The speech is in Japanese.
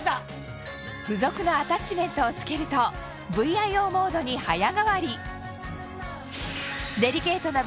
付属のアタッチメントをつけるとＶＩＯモードに早替わり